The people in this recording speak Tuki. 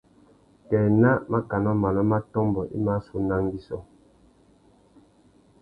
Kā ena màkánà manô mà tômbô i mà sú una angüissô.